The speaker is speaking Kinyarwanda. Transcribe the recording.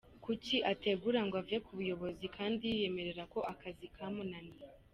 Kuki ategura ngo ave ku buyobozi, kandi yiyemerera ko akazi kamunaniye?